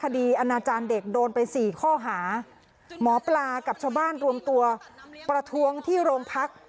อนาจารย์เด็กโดนไปสี่ข้อหาหมอปลากับชาวบ้านรวมตัวประท้วงที่โรงพัก